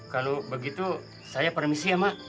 kalau begitu saya permisi ya mak